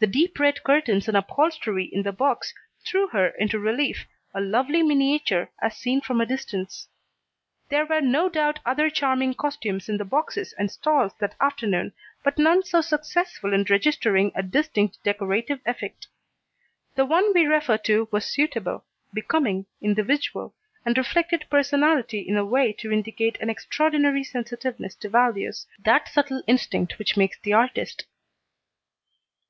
The deep red curtains and upholstery in the box threw her into relief, a lovely miniature, as seen from a distance. There were no doubt other charming costumes in the boxes and stalls that afternoon, but none so successful in registering a distinct decorative effect. The one we refer to was suitable, becoming, individual, and reflected personality in a way to indicate an extraordinary sensitiveness to values, that subtle instinct which makes the artist.